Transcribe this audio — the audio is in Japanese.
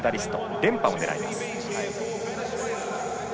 連覇を狙います。